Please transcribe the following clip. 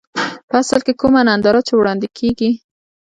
په اصل کې کومه ننداره چې وړاندې کېږي.